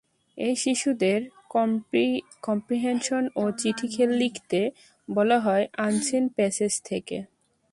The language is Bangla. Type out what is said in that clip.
এই শিশুদের কম্প্রিহেনশন ও চিঠি লিখতে বলা হয় আনসিন প্যাসেজ থেকে।